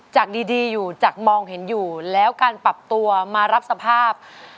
จากดีอยู่จากมองเห็นอยู่แล้วการปรับตัวมารับสภาพ